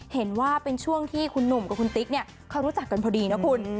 เห็นว่าเป็นช่วงที่คุณหนุ่มกับคุณติ๊กเนี่ยเขารู้จักกันพอดีนะคุณ